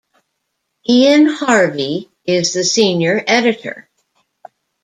Ian Harvey is the Senior Editor.